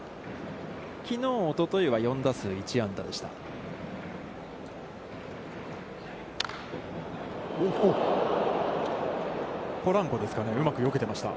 きのう、おとといは４打数１安打でした。